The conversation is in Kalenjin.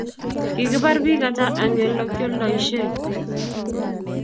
Kigibar biik hata eng olegialdoishen?